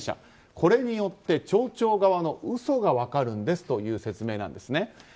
これによって、町長側の嘘が分かるんですという説明なんですね。